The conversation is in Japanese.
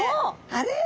あれ？